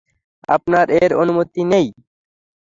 আপনার এর অনুমতি নেই।